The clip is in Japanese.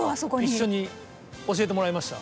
一緒に教えてもらいました。